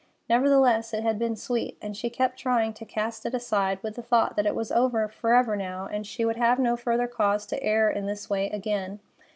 Nevertheless, it had been sweet, and she kept trying to cast it aside with the thought that it was over forever now and she would have no further cause to err in this way again.